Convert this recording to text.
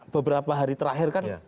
beberapa hari terakhir kan